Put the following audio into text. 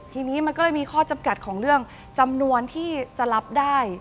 ทีนี้มันก็เลยมีข้อจำกัดของเรื่องจำนวนที่จะรับได้